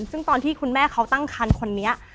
ซึ่งตอนที่คุณแม่เขาตั้งคันคนนี้